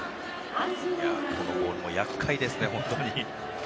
このボールも厄介ですね、本当に。